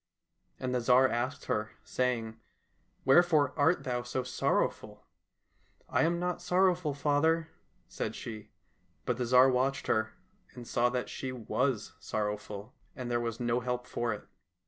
And the Tsar asked her, saying, " Wherefore art thou so sorrowful ?"—" I am not sorrowful, father," said she. But the Tsar watched her, and saw that she was sorrowful, and there was no help for it.